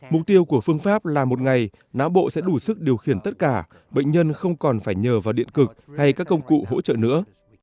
mục tiêu của phương pháp là một ngày não bộ sẽ đủ sức điều khiển tất cả bệnh nhân không còn phải nhờ vào điện cực hay các công cụ hỗ trợ nữa